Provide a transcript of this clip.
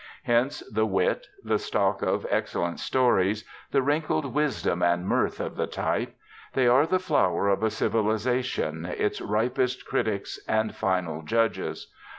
Hence the wit, the stock of excellent stories, the wrinkled wisdom and mirth of the type. They are the flower of a civilisation, its ripest critics, and final judges.